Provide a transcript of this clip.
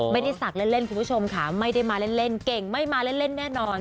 สักเล่นคุณผู้ชมค่ะไม่ได้มาเล่นเก่งไม่มาเล่นแน่นอน